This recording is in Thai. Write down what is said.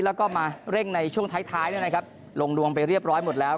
แล้วก็มาเร่งในช่วงท้ายท้ายด้วยนะครับลงดวงไปเรียบร้อยหมดแล้ว